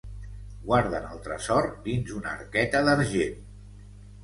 Guarden el tresor dins una arqueta d'argent.